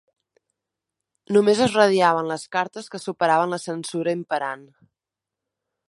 Només es radiaven les cartes que superaven la censura imperant.